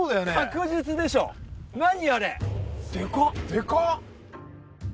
でかっ！